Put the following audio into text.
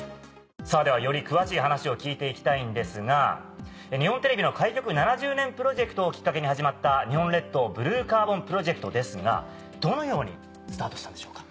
さぁではより詳しい話を聞いていきたいんですが日本テレビの開局７０年プロジェクトをきっかけに始まった日本列島ブルーカーボンプロジェクトですがどのようにスタートしたんでしょうか。